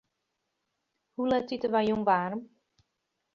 Hoe let ite wy jûn waarm?